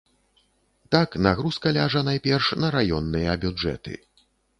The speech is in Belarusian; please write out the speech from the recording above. Так, нагрузка ляжа найперш на раённыя бюджэты.